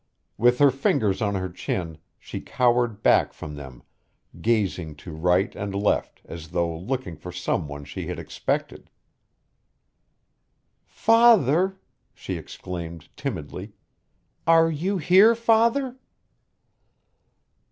With her fingers on her chin, she cowered back from them gazing to right and left as though looking for someone she had expected. "Father!" she exclaimed timidly. "Are you here, father?"